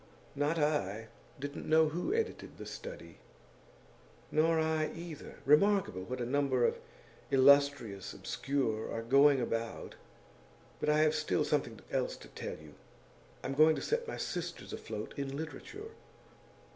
'Not I. Didn't know who edited The Study.' 'Nor I either. Remarkable what a number of illustrious obscure are going about. But I have still something else to tell you. I'm going to set my sisters afloat in literature.